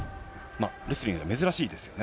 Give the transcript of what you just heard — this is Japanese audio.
レスリングは珍しいですよね。